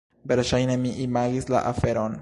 Verŝajne mi imagis la aferon!